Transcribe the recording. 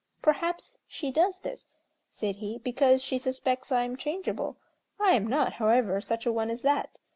"Perhaps she does this," said he, "because she suspects I am changeable. I am not, however, such a one as that.